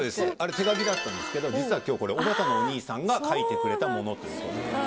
手書きだったんですが実は今日これおばたのお兄さんが書いてくれたもの